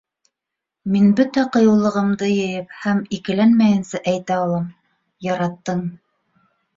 Мин бөтә ҡыйыулығымды йыйып һәм икеләнмәйенсә әйтә алам - яраттың.